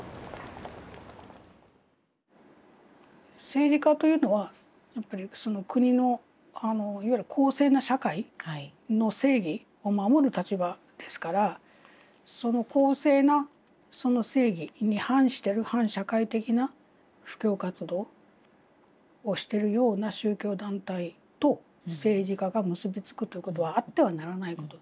政治家というのは国のいわゆる公正な社会の正義を守る立場ですからその公正なその正義に反してる反社会的な布教活動をしてるような宗教団体と政治家が結び付くということはあってはならないこと。